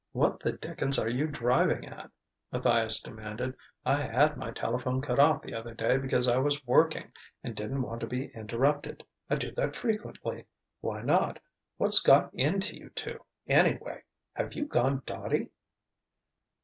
"What the dickens are you driving at?" Matthias demanded. "I had my telephone cut off the other day because I was working and didn't want to be interrupted. I do that frequently. Why not? What's got into you two, anyway? Have you gone dotty?"